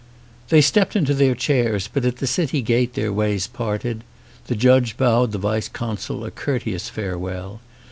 They stepped into their chairs ; but at the city gate their ways parted ; the judge bowed the vice consul a courteous farewell.